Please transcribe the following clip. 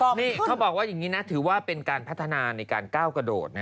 นี่เขาบอกว่าอย่างนี้นะถือว่าเป็นการพัฒนาในการก้าวกระโดด